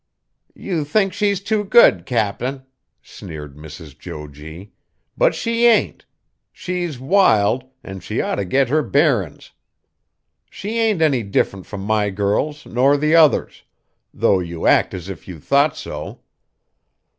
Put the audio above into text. "You think she's too good, Cap'n," sneered Mrs. Jo G., "but she ain't. She's wild, an' she ought t' get her bearin's. She ain't any different from my girls nor the others, though you act as if you thought so.